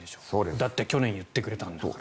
だって去年言ってくれたんだから。